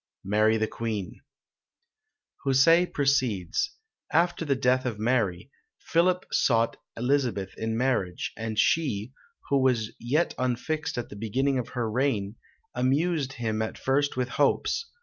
"MARY the Quene." Houssaie proceeds: "After the death of Mary, Philip sought Elizabeth in marriage; and she, who was yet unfixed at the beginning of her reign, amused him at first with hopes.